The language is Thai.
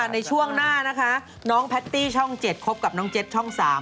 ในช่วงหน้านะคะน้องแพตตี้ช่อง๗คบกับน้องเจ็ดช่อง๓